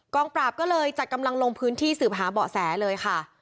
ปราบก็เลยจัดกำลังลงพื้นที่สืบหาเบาะแสเลยค่ะ